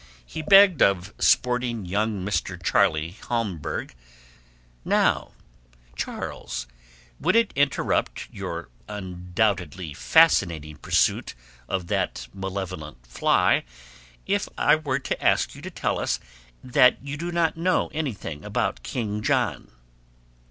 He begged of sporting young Mr. Charley Holmberg, "Now Charles, would it interrupt your undoubtedly fascinating pursuit of that malevolent fly if I were to ask you to tell us that you do not know anything about King John?"